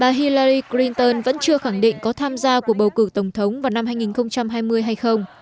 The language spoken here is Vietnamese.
trả lời trang tin recall mới đây bà hillary clinton vẫn chưa khẳng định có tham gia cuộc bầu cử tổng thống vào năm hai nghìn hai mươi hay không